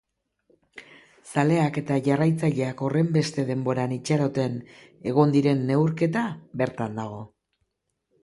Zaleak eta jarraitzaileak horrenbeste denboran itxaroten egon diren neurketa bertan dago.